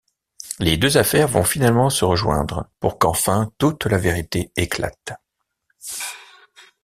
Les deux affaires vont finalement se rejoindre pour qu'enfin toute la vérité éclate.